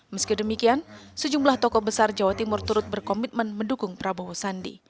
meski demikian sejumlah tokoh besar jawa timur turut berkomitmen mendukung prabowo sandi